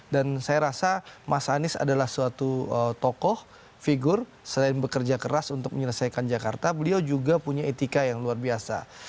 dan saya rasa mas anis adalah suatu tokoh figur selain bekerja keras untuk menyelesaikan jakarta beliau juga punya etika yang luar biasa